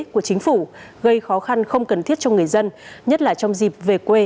của chính phủ gây khó khăn không cần thiết cho người dân nhất là trong dịp về quê